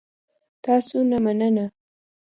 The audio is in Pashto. تاسو نه مننه